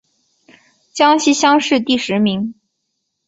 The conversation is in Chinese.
江西乡试第十名。